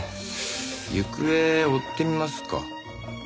行方追ってみますか。